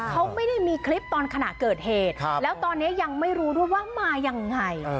เขาไม่ได้มีคลิปตอนขณะเกิดเหตุแล้วตอนนี้ยังไม่รู้ด้วยว่ามายังไง